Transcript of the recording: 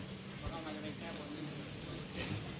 ผมของคุณจะได้แค่นึง